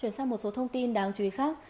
chuyển sang một số thông tin đáng chú ý khác